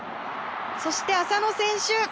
そして浅野選手。